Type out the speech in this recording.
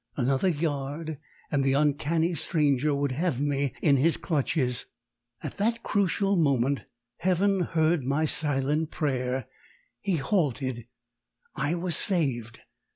Another yard, and the uncanny stranger would have me in his clutches. At the crucial moment Heaven heard my silent prayer; he halted, I was saved!